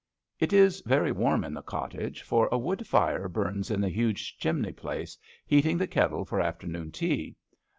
It is very warm in the cottage, for a wood fire burns in the huge chimney place, heating the kettle for afternoon tea.